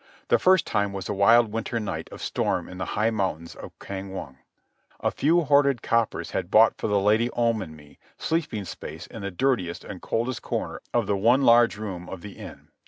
The first time was a wild winter night of storm in the high mountains of Kang wun. A few hoarded coppers had bought for the Lady Om and me sleeping space in the dirtiest and coldest corner of the one large room of the inn.